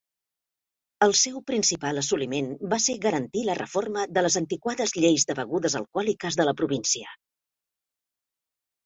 Els seu principal assoliment va ser garantir la reforma de les antiquades lleis de begudes alcohòliques de la província.